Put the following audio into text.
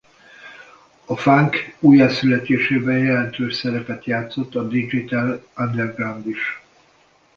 A funk újjászületésében jelentős szerepet játszott a Digital Underground is.